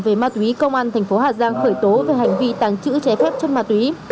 về ma túy công an thành phố hà giang khởi tố về hành vi tàng trữ trái phép chất ma túy